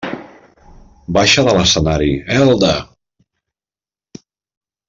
Baixa de l'escenari, Elda!